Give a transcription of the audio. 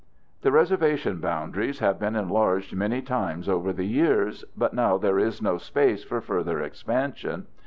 The reservation boundaries have been enlarged many times over the years, but now there is no space for further expansion.